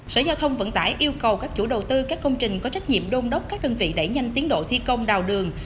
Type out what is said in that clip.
sở giao thông vận tải yêu cầu các chủ đầu tư các công trình có trách nhiệm đôn đốc các đơn vị đẩy nhanh tiến độ thi công đào đường